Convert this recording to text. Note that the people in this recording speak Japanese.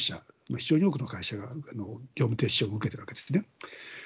非常に多くの会社が業務停止処分を受けてるわけですね。